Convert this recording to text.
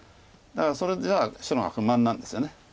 だからそれじゃ白が不満なんですよね。